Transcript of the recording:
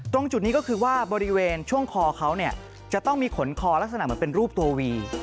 ตรงจุดนี้ก็คือว่าบริเวณช่วงคอเขาเนี่ยจะต้องมีขนคอลักษณะเหมือนเป็นรูปตัววี